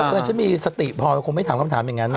ถ้าจะมีสติพอก็คงไม่ทำคำถามอย่างนั้น